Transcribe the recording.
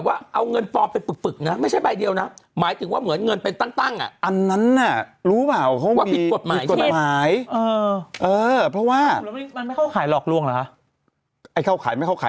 อย่างคนที่เคยซื้อของเยอะสุดนี้เท่าไหร่นะคะ